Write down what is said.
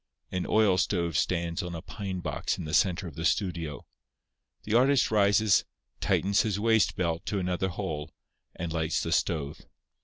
An oil stove stands on a pine box in the centre of the studio. The artist rises, tightens his waist belt to another hole, and lights the stove.